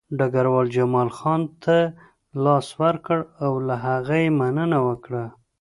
ډګروال جمال خان ته لاس ورکړ او له هغه یې مننه وکړه